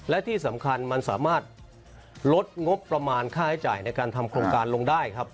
และที่สำคัญมันสามารถลดงบประมาณค่าใช้จ่ายในการทำโครงการลงได้ครับ